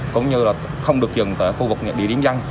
cũng như là không được dừng tại khu vực địa điểm răng